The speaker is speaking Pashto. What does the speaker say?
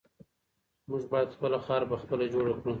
موږ باید خپله خاوره پخپله جوړه کړو.